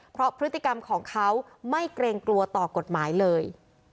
เพราะพฤติกรรมของเขาไม่เกรงกลัวต่อกฎหมายเลย